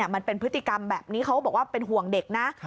มันเป็นพฤติกรรมแบบนี้เขาบอกว่าเป็นห่วงเด็กนะ